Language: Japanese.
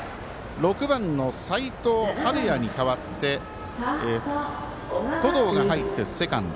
６番の齋藤敏哉に代わって登藤が入ってセカンド。